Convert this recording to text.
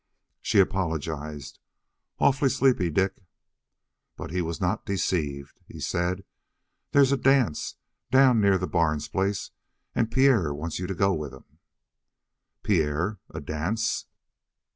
She apologized. "Awfully sleepy, Dick." But he was not deceived. He said: "There's a dance down near the Barnes place, and Pierre wants you to go with him." "Pierre! A dance?"